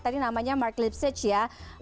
tadi namanya mark lipsitch ya